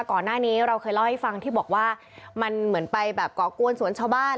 ก่อนหน้านี้เราเคยเล่าให้ฟังที่บอกว่ามันเหมือนไปแบบก่อกวนสวนชาวบ้าน